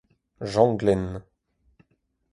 janglenn